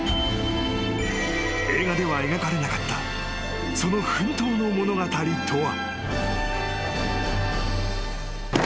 ［映画では描かれなかったその奮闘の物語とは］